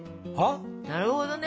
なるほどね！